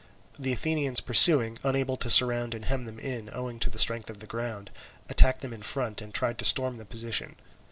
The Athenians pursuing, unable to surround and hem them in, owing to the strength of the ground, attacked them in front and tried to storm the position.